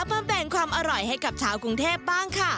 มาแบ่งความอร่อยให้กับชาวกรุงเทพบ้างค่ะ